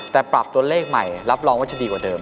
แต่ปรับตัวเลขใหม่รับรองว่าจะดีกว่าเดิม